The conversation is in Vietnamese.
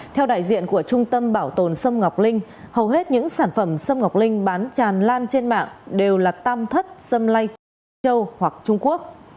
theo đại diện của trung tâm bảo tồn sâm ngọc linh hầu hết những sản phẩm sâm ngọc linh bán tràn lan trên mạng đều là tam thất sâm lây châu hoặc trung quốc